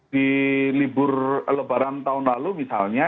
di libur lebaran tahun lalu misalnya